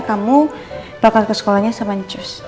kamu bawa ke sekolahnya sama ncus